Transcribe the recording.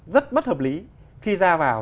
rất bất hợp lý khi ra vào